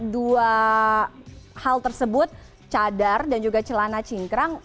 dua hal tersebut cadar dan juga celana cingkrang